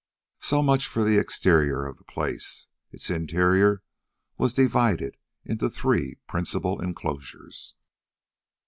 So much for the exterior of the place. Its interior was divided into three principal enclosures.